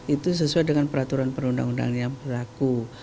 itu sesuai dengan peraturan perundang undang yang berlaku